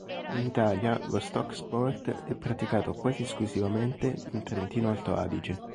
In Italia, lo stock sport è praticato quasi esclusivamente in Trentino-Alto Adige.